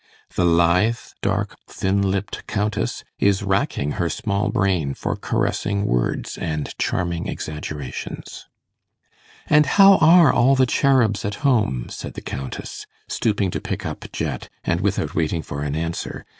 The lithe, dark, thin lipped Countess is racking her small brain for caressing words and charming exaggerations. 'And how are all the cherubs at home?' said the Countess, stooping to pick up Jet, and without waiting for an answer.